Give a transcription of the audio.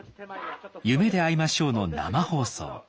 「夢であいましょう」の生放送。